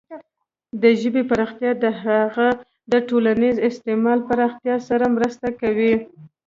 د ژبې پراختیا د هغې د ټولنیز استعمال پراختیا سره مرسته کوي.